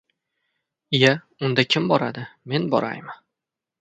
— Iya, unda kim boradi? Men boraymi?